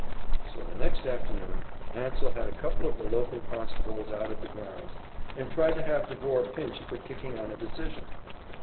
So the next afternoon Hansell had a couple of the local constables out at the grounds and tried to have Devore pinched for kicking on a decision.